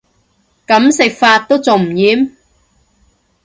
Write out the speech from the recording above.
噉食法都仲唔厭